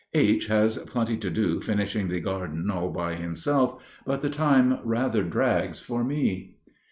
H. has plenty to do finishing the garden all by himself, but the time rather drags for me.